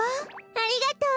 ありがとう！